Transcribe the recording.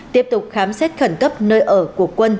tiếp tục khám xét khẩn cấp nơi ở của quân